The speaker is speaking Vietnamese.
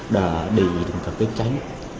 đã định cập trách